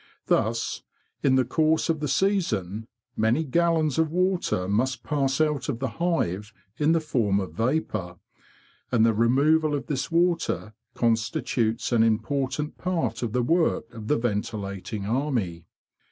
Thus, in the course of the season, many gallons of water must pass out of the hive in the form of vapour, and the removal of this water constitutes an important part of the work of the ventilating army.